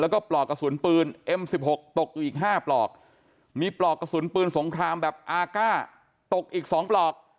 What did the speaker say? แล้วก็ปลอกกระสุนปืนเอ็มสิบหกตกอยู่อีก๕ปลอกมีปลอกกระสุนปืนสงครามแบบอาก้าตกอีก๒ปลอก